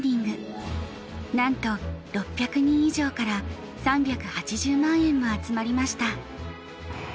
なんと６００人以上から３８０万円も集まりました。